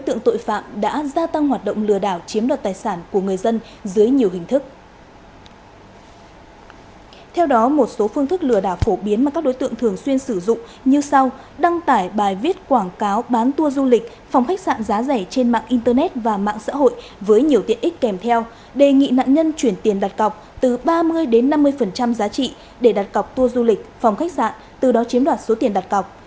theo đó một số phương thức lừa đảo phổ biến mà các đối tượng thường xuyên sử dụng như sau đăng tải bài viết quảng cáo bán tour du lịch phòng khách sạn giá rẻ trên mạng internet và mạng xã hội với nhiều tiện ích kèm theo đề nghị nạn nhân chuyển tiền đặt cọc từ ba mươi năm mươi giá trị để đặt cọc tour du lịch phòng khách sạn từ đó chiếm đoạt số tiền đặt cọc